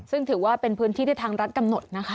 ซึ่งถือว่าเป็นพื้นที่ที่ทางรัฐกำหนดนะคะ